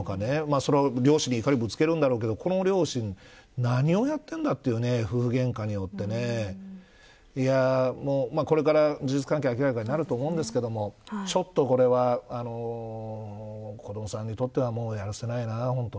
それは両親に怒りをぶつけるんだろうけどこの両親、何をやってんだと夫婦げんかによってね。これから事実関係明らかになると思うんですけどちょっと、これは子どもさんにとってはやるせないな。